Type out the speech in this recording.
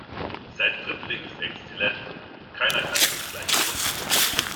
Sein Dribbling ist exzellent, keiner kann es ihm gleich tun.